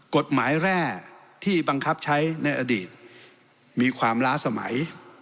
กฎหมายแร่ที่บังคับใช้ในอดีตมีความล้าสมัย